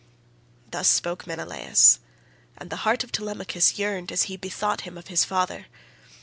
Thus spoke Menelaus, and the heart of Telemachus yearned as he bethought him of his father.